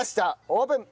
オープン！